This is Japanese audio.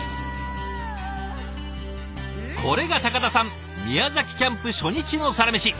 これが高田さん宮崎キャンプ初日のサラメシ。